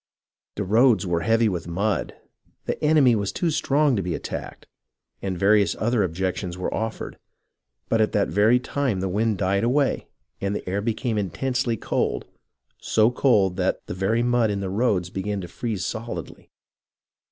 "The roads were heavy with mud," " the enemy was too strong to be attacked," and various other objections were offered ; but at that very time the wind died away and the air became intensely cold, so cold that the very mud in the roads began to freeze solidly.